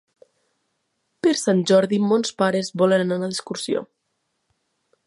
Per Sant Jordi mons pares volen anar d'excursió.